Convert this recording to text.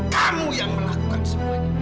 kamu yang melakukan semuanya